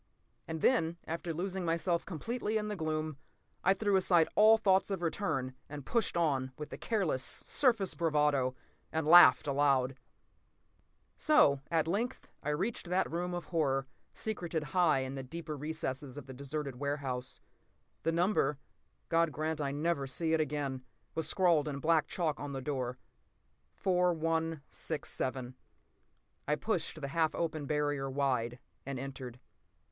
And then, after losing myself completely in the gloom, I threw aside all thoughts of return and pushed on with a careless, surface bravado, and laughed aloud. So, at length, I reached that room of horror, secreted high in the deeper recesses of the deserted warehouse. The number—God grant I never see it again!—was scrawled in black chalk on the door—4167. I pushed the half open barrier wide, and entered.